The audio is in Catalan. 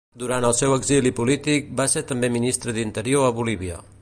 Durant el seu exili polític va ser també ministre d'interior a Bolívia.